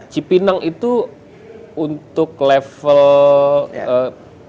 cipinang itu untuk level ee